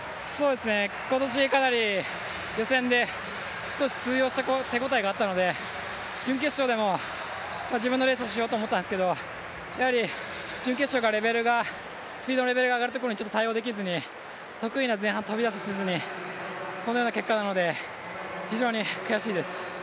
今年、かなり予選で少し通用した手応えがあったので、準決勝でも自分のレースをしようと思ったんですけどやはり準決勝がスピードのレベルが上がるところで対応できずに、得意な前半飛び出せずに、このような結果なので、非常に悔しいです。